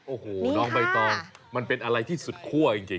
โอ้โหน้องใบตองมันเป็นอะไรที่สุดคั่วจริง